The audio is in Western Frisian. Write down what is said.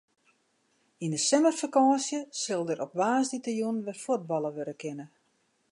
Yn de simmerfakânsje sil der op woansdeitejûn wer fuotballe wurde kinne.